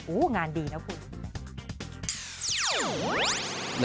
อู้วงานดีนะคุณ